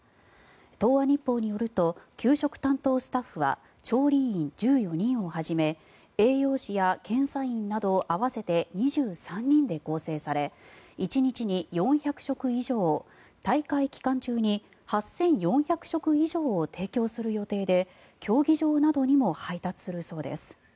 東亜日報によると給食担当スタッフは調理員１４人をはじめ栄養士や検査員など合わせて２３人で構成され１日に４００食以上大会期間中に８４００食以上を提供する予定で競技場などにも配達するそうです。